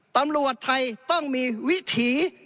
ตำรวจไทยต้องมีวิถี